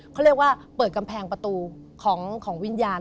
เขาเรียกว่าเปิดกำแพงประตูของวิญญาณ